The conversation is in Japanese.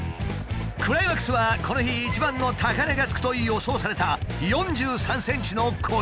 クライマックスはこの日一番の高値がつくと予想された４３ｃｍのコイ。